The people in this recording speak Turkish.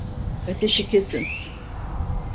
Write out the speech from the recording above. Ateşi kesin!